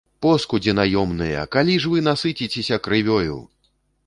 Поскудзі наёмныя, калі ж вы, насыціцеся крывёю?